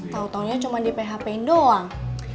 tau taunya cuma di php doang